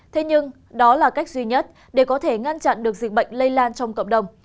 thế nhưng đó là cách duy nhất để có thể ngăn chặn được dịch bệnh lây lan trong cộng đồng